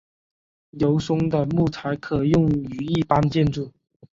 油松的木材可用于一般建筑。